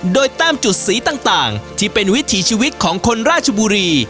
โดยแต้มจุดสีต่างที่เป็นวิถีชีวิตของคนราชบุรี